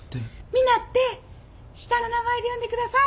「ミナって下の名前で呼んでください」